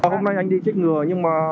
hôm nay anh đi trích ngừa nhưng mà